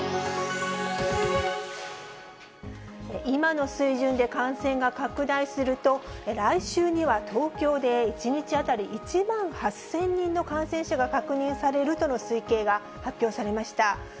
今の水準で感染が拡大すると、来週には東京で１日当たり１万８０００人の感染者が確認されるとの推計が発表されました。